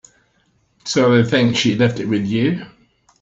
So they think she left it with you.